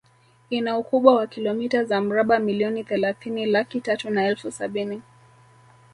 Ina ukubwa wa kilomita za mraba milioni thelathini laki tatu na elfu sabini